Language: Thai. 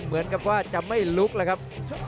เหมือนกับว่าจะไม่ลุกเลยครับ